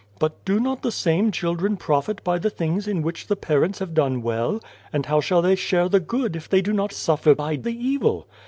" But do not the same children profit by the things in which the parents have done well ? And how shall they share the good, if they do not suffer by the evil